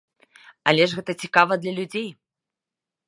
Але ж гэта цікава для людзей.